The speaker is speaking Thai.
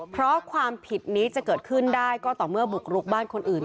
เพราะความผิดนี้จะเกิดขึ้นได้ก็ต่อเมื่อบุกรุกบ้านคนอื่น